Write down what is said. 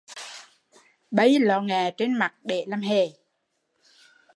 Bây lọ nghẹ trên mặt để làm hề